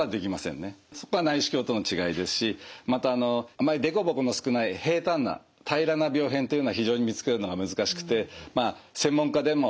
そこは内視鏡との違いですしまたあのあまりデコボコの少ない平坦な平らな病変というのは非常に見つけるのが難しくて専門家でもしばしばですね